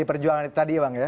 perjuangan itu tadi bang ya